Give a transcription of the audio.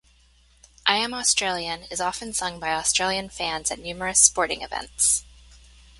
"I Am Australian" is often sung by Australian fans at numerous sporting events.